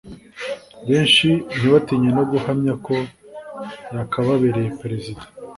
benshi ntibatinye no guhamya ko yakababareye perezida